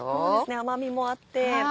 甘みもあって。